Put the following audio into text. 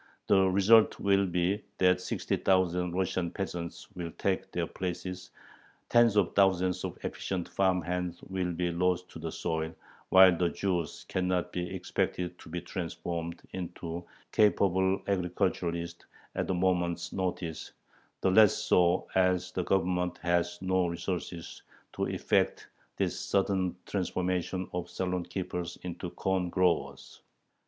The result will be that sixty thousand Russian peasants will take their place, tens of thousands of efficient farm hands will be lost to the soil, while the Jews cannot be expected to be transformed into capable agriculturists at a moment's notice, the less so as the Government has no resources to effect this sudden transformation of saloon keepers into corn growers.